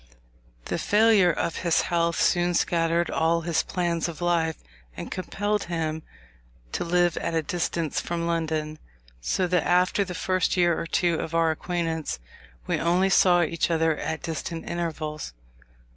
The failure of his health soon scattered all his plans of life, and compelled him to live at a distance from London, so that after the first year or two of our acquaintance, we only saw each other at distant intervals.